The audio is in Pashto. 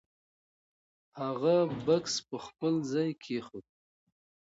هغه بکس په خپل ځای کېښود.